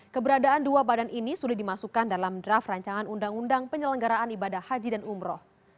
keberadaan dua badan ini sudah dimasukkan dalam draft rancangan undang undang penyelenggaraan ibadah haji dan umroh